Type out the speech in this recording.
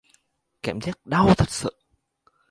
Cảm giác đau thực sự